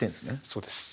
そうです。